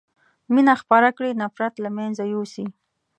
مينه خپره کړي نفرت له منځه يوسئ